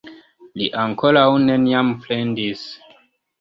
Li ankoraŭ neniam plendis.